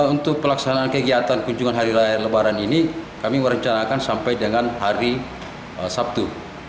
untuk pelaksanaan kegiatan kunjungan hari raya lebaran ini kami merencanakan sampai dengan hari sabtu